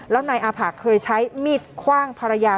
แล้วนายอาผะเคยใช้มีดคว่างภรรยา